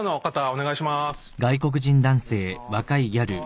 お願いします。